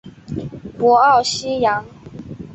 博奥西扬。